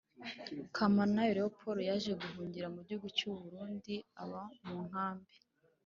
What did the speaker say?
Kamanayo leopord yaje guhungira mu gihugu cy u burundi aba mu nkambi